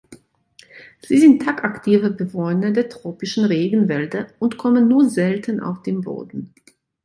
Sie sind tagaktive Bewohner der tropischen Regenwälder und kommen nur selten auf den Boden.